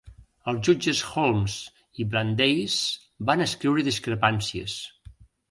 Els jutges Holmes i Brandeis van escriure discrepàncies.